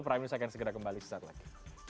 saya akan segera kembali sesaat lagi